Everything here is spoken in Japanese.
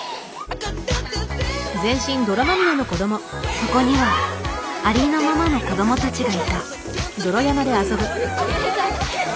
そこには「ありのまま」の子どもたちがいた。